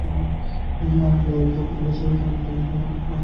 জাপানি ভাষা জানা থাকলে আমার বাংলা শেখানোর কাজটা হাতছাড়া হতো না।